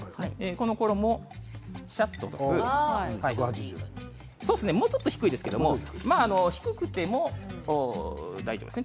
この衣をしゃっともうちょっと低いですけど低くても大丈夫ですね